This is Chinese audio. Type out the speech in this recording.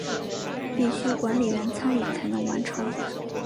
必须管理员参与才能完成。